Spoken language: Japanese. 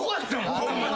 ホンマに。